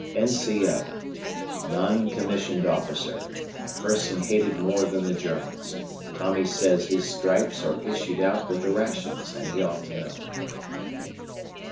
N.C.O. Non commissioned officer. A person hated more than the Germans. Tommy says his stripes are issued out with the rations, and he ought to know.